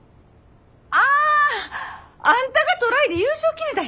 あああんたがトライで優勝決めた日か！